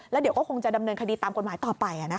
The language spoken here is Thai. เดี๋ยวก็คงจะดำเนินคดีตามกฎหมายต่อไป